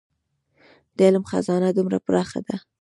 د علم خزانه دومره پراخه ده.